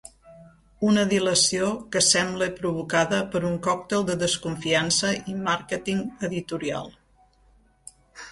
Una dilació que sembla provocada per un còctel de desconfiança i màrqueting editorial.